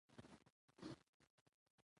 علم د مسلکي ظرفیتونو د لوړوالي سبب دی.